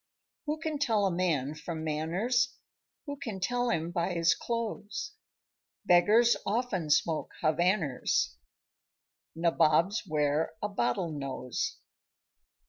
Who can tell a man from manners? Who can tell him by his close? Beggars often smoke Havanners; Nabobs wear a bottle nose.